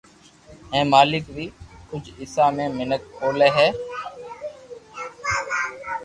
ھي ملڪ ري ڪجھ حصو ۾ ميينک ٻولي ھي